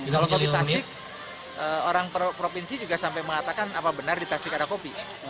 kalau kopi tasik orang provinsi juga sampai mengatakan apa benar di tasik ada kopi